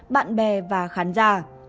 bạn bè và khán giả